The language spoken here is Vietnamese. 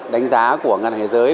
đánh giá của ngân hải giới